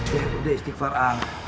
ya allah istighfar ang